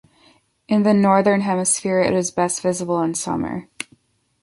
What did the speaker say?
In the northern hemisphere, it is best visible in summer.